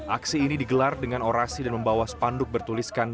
aksi ini digelar dengan orasi dan membawa spanduk bertuliskan